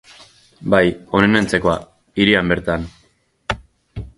Bai, honen antzekoa, hirian bertan.